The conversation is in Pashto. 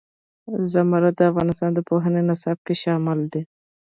زمرد د افغانستان د پوهنې نصاب کې شامل دي.